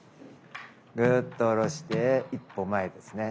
ぐっと下ろして１歩前ですね。